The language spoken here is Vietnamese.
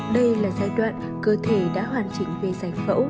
đây là giai đoạn cơ thể đã hoàn chỉnh về giải phẫu